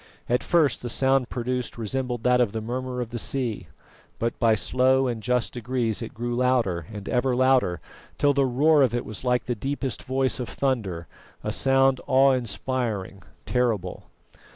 At first the sound produced resembled that of the murmur of the sea; but by slow and just degrees it grew louder and ever louder, till the roar of it was like the deepest voice of thunder, a sound awe inspiring, terrible.